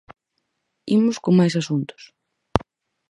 Imos con máis asuntos.